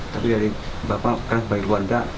tapi dari bapak kan sebagai luar ga